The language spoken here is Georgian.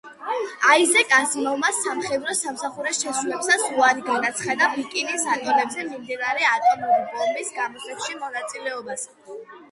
აიზეკ აზიმოვმა სამხედრო სამსახურის შესრულებისას უარი განაცხადა ბიკინის ატოლებზე მიმდინარე ატომური ბომბის გამოცდებში მონაწილეობაზე.